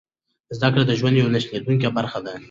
زده کړه د ژوند یوه نه شلېدونکې برخه ده.